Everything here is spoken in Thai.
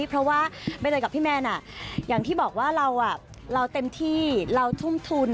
เพราะว่าใบเตยกับพี่แมนอย่างที่บอกว่าเราเต็มที่เราทุ่มทุน